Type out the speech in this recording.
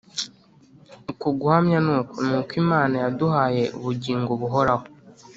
uko guhamya ni uku, ni uko Imana yaduhaye ubugingobuhoraho,